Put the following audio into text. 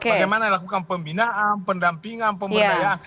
bagaimana lakukan pembinaan pendampingan pemberdayaan